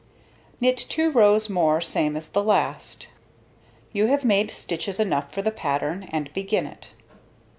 Knit 2 rows more same as the last. You have now made stitches enough for the pattern, and begin it.